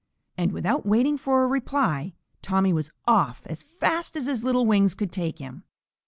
And without waiting for a reply, Tommy was off as fast as his little wings could take him.